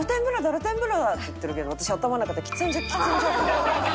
露天風呂だ！」って言ってるけど私頭の中で「喫煙所喫煙所」って思って。